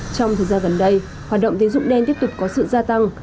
trong thời gian gần đây hoạt động tín dụng đen tiếp tục có sự gia tăng